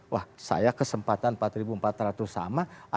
wah saya kesempatan rp empat empat ratus sama